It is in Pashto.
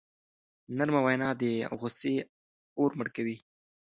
نرمه وینا د غصې اور مړ کوي.